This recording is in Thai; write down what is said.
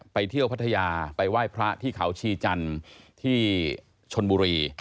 ไปเที่ยวพัทยาไปไหว้พระที่เขาชีจันทร์ที่ชนบุรี